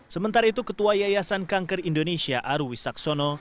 sementara itu ketua yayasan kangker indonesia arwi saksono